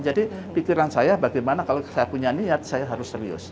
jadi pikiran saya bagaimana kalau saya punya niat saya harus serius